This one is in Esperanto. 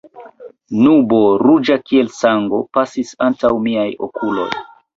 Nubo, ruĝa kiel sango, pasis antaŭ miaj okuloj.